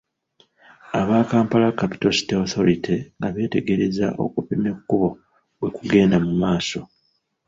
Aba Kampala Capital City Authority nga beetegereza okupima ekkubo bwe kugenda mu maaso.